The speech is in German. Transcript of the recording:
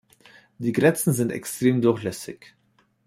Die Grenzen sind extrem durchlässig.